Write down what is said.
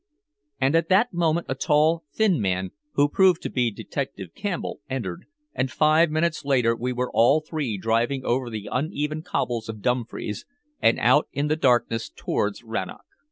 And at that moment a tall, thin man, who proved to be Detective Campbell, entered, and five minutes later we were all three driving over the uneven cobbles of Dumfries and out in the darkness towards Rannoch.